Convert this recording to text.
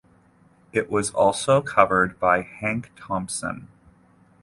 It was also covered by Hank Thompson.